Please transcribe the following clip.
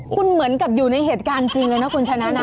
คุณเหมือนกับอยู่ในเหตุการณ์จริงเลยนะคุณชนะนะ